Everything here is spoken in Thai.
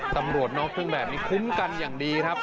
ตำรวจนอกเครื่องแบบนี้คุ้มกันอย่างดีครับ